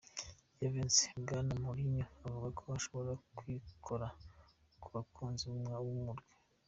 Vyanse, Bwana Mourinho avuga ko ashobora kwikora ku bakunzi b'umurwi.